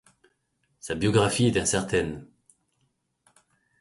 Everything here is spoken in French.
Sa biographie est incertaine.